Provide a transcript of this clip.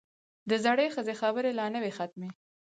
د زړې ښځې خبرې لا نه وې ختمې.